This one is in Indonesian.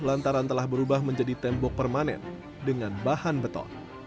lantaran telah berubah menjadi tembok permanen dengan bahan beton